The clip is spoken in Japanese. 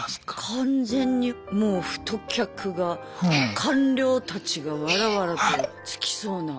完全にもう太客が官僚たちがワラワラとつきそうな。